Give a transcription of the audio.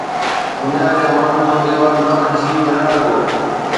دنيا جي ماڻهن جو اهو انداز ڏسي جلڻ لڳو